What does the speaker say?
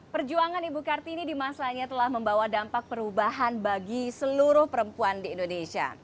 perjuangan ibu kartini di masanya telah membawa dampak perubahan bagi seluruh perempuan di indonesia